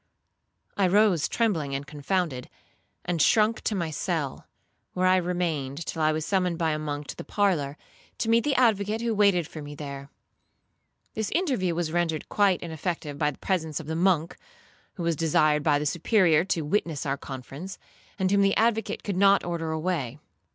I rose trembling and confounded, and shrunk to my cell, where I remained till I was summoned by a monk to the parlour, to meet the advocate, who waited for me there. This interview was rendered quite ineffective by the presence of the monk, who was desired by the Superior to witness our conference, and whom the advocate could not order away.